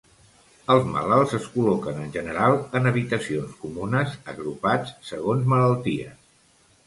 Els malalts es col·loquen, en general, en habitacions comunes agrupats segons malalties.